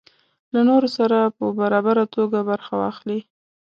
له نورو سره په برابره توګه برخه واخلي.